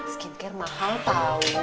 skincare mahal tau